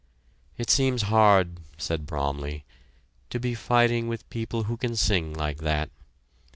"It seems hard," said Bromley, "to be fighting with people who can sing like that.